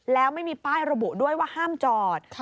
แล้วไม่มีป้ายระบุด้วยว่าห้ามจอด